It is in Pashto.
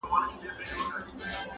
سل یې نوري ورسره وې سهیلیاني!!